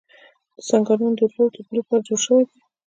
دا سنګرونه د ورور او تربور لپاره جوړ شوي دي.